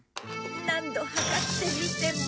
何度量ってみても。